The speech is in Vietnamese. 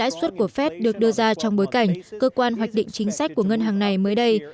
và các vận động viên của fed được đưa ra trong bối cảnh cơ quan hoạch định chính sách của ngân hàng này mới đây